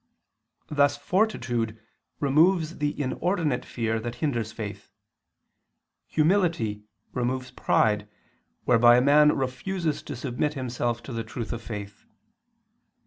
Thus fortitude removes the inordinate fear that hinders faith; humility removes pride, whereby a man refuses to submit himself to the truth of faith.